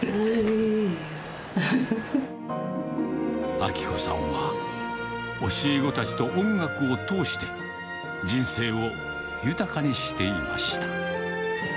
明子さんは、教え子たちと音楽を通して、人生を豊かにしていました。